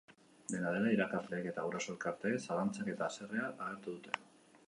Dena dela, irakasleek eta guraso elkarteek zalantzak eta haserrea agertu dute.